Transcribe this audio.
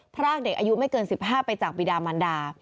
พรากเด็กอายุไม่เกิน๑๕ไปจากบิดามันดา